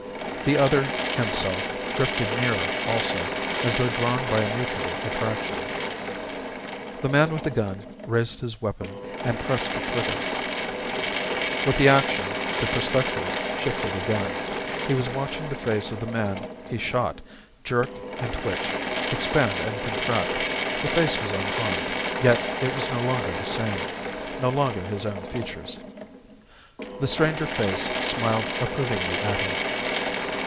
The other "himself" drifted nearer also, as though drawn by a mutual attraction. The man with the gun raised his weapon and pressed the trigger. With the action the perspective shifted again. He was watching the face of the man he shot jerk and twitch, expand and contract. The face was unharmed, yet it was no longer the same. No longer his own features. The stranger face smiled approvingly at him.